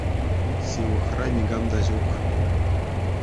Ҫывӑхра никам та ҫук.